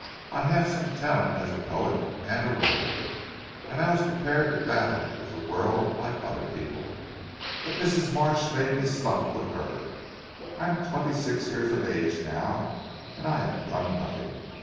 I have some talent as a poet and a writer, and I was prepared to battle with the world like other people. But Mrs. Marsh made me stop with her. I am twenty six years of age now, and I have done nothing.